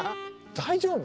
大丈夫？